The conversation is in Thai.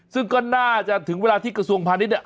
ซึ่งก็น่าจะถึงเวลาที่กระทรวงพาณิชยเนี่ย